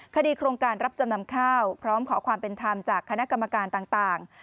โครงการรับจำนำข้าวพร้อมขอความเป็นธรรมจากคณะกรรมการต่าง